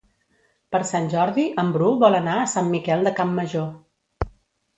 Per Sant Jordi en Bru vol anar a Sant Miquel de Campmajor.